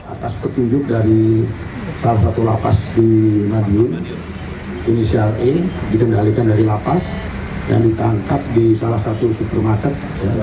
atas petunjuk dari salah satu lapas di madiun inisial e dikendalikan dari lapas dan ditangkap di salah satu supermarket